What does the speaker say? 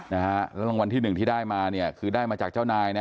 รางวัลที่๑ได้มาจากเจ้านาย